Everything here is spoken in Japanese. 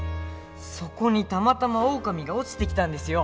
そこにたまたまオオカミが落ちてきたんですよ。